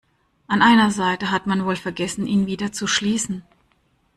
An einer Seite hat man wohl vergessen, ihn wieder zu schließen.